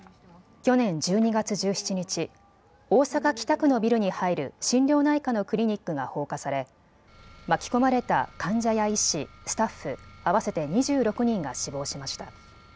去年１２月１７日、大阪北区のビルに入る心療内科のクリニックが放火され巻き込まれた患者や医師、スタッフ合わせて２６人が死亡しました。